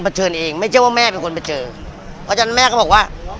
เชิญเองไม่ใช่ว่าแม่เป็นคนไปเจอเพราะฉะนั้นแม่ก็บอกว่า